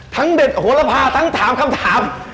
เด็ดโหรพาทั้งถามคำถาม